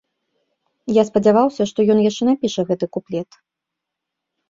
Я спадзяваўся, што ён яшчэ напіша гэты куплет.